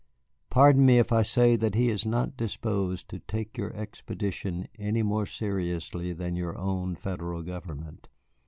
Pardon me if I say that he is not disposed to take your expedition any more seriously than is your own Federal government.